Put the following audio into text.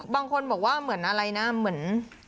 บางคนบอกว่าเหมือนอะไรนะเหมือน